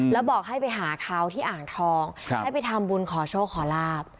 แล้วบอกให้ไปหาเขาที่อ่างทองให้ไปทำบุญขอโชคขอลาบ